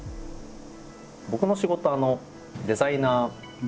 僕の仕事デザイナーなんです。